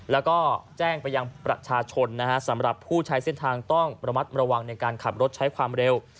แล้วก็แจ้งไปยังประชาชนนะฮะสำหรับผู้ใช้เส้นทางต้องระมัดระวังในการขับรถใช้ความเร็ว